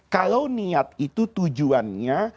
kalau niat itu tujuannya